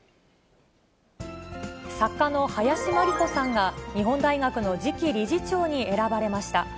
作家の林真理子さんが、日本大学の次期理事長に選ばれました。